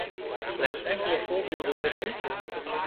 Slechts enkele voorbeelden, zegt u?